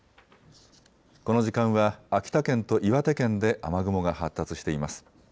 この時間は秋田県と岩手県で雨雲が発達しています。